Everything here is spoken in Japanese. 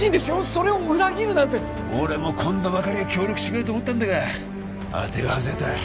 それを裏切るなんて俺も今度ばかりは協力してくれると思ったんだが当てが外れた